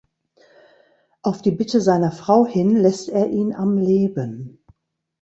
Auf die Bitte seiner Frau hin lässt er ihn am Leben.